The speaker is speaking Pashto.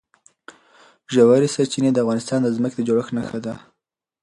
ژورې سرچینې د افغانستان د ځمکې د جوړښت نښه ده.